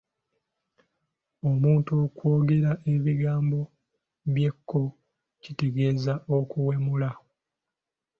Omuntu okwogera ebigambo eby'ekko kitegeeza okuwemula.